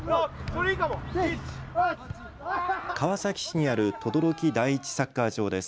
川崎市にある等々力第１サッカー場です。